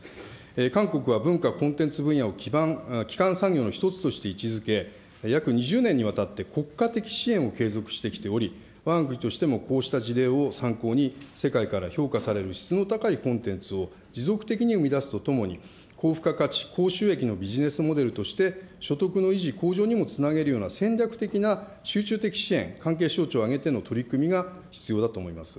韓国は文化コンテンツ分野を基幹産業の一つとして位置づけ、約２０年にわたって国家的支援を継続してきており、わが国としてもこうした事例を参考に、世界から評価される質の高いコンテンツを持続的に生み出すとともに、高付加価値、高収益のビジネスモデルとして、所得の維持、向上にもつなげるような戦略的な集中的支援、関係省庁を挙げての取り組みが必要だと思います。